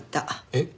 えっ？